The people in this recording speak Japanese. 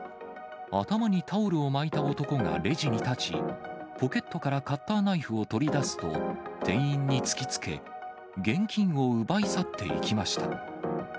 頭にタオルを巻いた男がレジに立ち、ポケットからカッターナイフを取り出すと、店員に突きつけ、現金を奪い去っていきました。